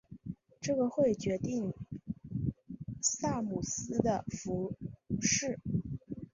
这个会决定萨姆斯的服饰。